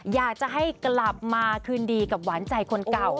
อยากจะให้กลับมาคืนดีกับหวานใจคนเก่า